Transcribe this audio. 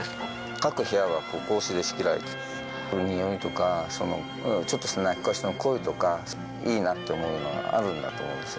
各部屋は格子で仕切られていて、においとか、ちょっとした鳴きだした声とか、いいなと思うのがあるんだと思うんですよ。